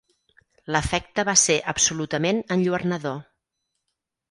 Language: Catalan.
L'efecte va ser absolutament enlluernador.